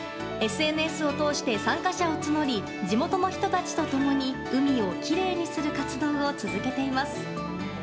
ＳＮＳを通して参加者を募り地元の人たちと共に海をきれいにする活動を続けています。